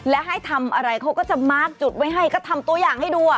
และให้ทำอะไรเขาก็จะมาร์คจุดไว้ให้ก็ทำตัวอย่างให้ดู